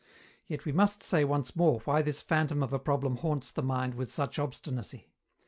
Yet we must say once more why this phantom of a problem haunts the mind with such obstinacy.